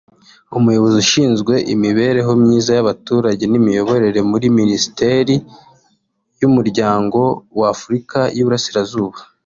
umuyobozi ushinzwe imibereho myiza y’abaturage n’imiyoborere muri Minisiteri y’umuryango w’ Afurika y’Iburasirazuba